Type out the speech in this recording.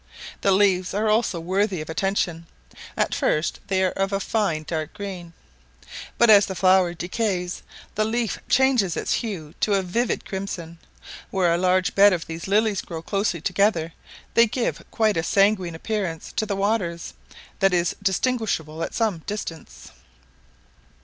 The leaves are also worthy of attention: at first they are of a fine dark green, but as the flower decays, the leaf changes its hue to a vivid crimson. Where a large bed of these lilies grow closely together, they give quite a sanguine appearance to the waters, that is distinguishable at some distance.